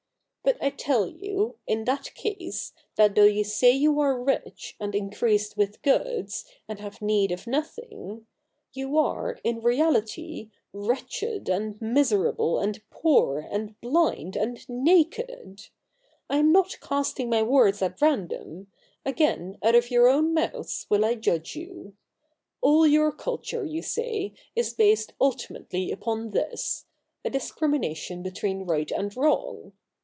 But I tell you, in that case, that though you say you are CH. i] THE NEW REPUBEIC 249 rich, and increased with goods, and have need of nothing ; you are, in reahty, wretched, and miserable, and poor, and bhnd, and naked. I am not casting my words at random. Again out of your own mouths will I judge you. All your culture, you say, is based ultimately upon this — a discrimination between right and wrong.